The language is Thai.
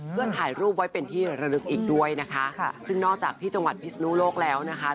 เพื่อถ่ายรูปไว้เป็นที่ระลึกอีกด้วยนะคะซึ่งนอกจากที่จังหวัดพิศนุโลกแล้วนะคะ